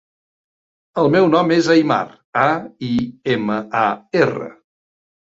El meu nom és Aimar: a, i, ema, a, erra.